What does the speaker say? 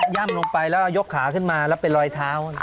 ่ำลงไปแล้วก็ยกขาขึ้นมาแล้วเป็นรอยเท้า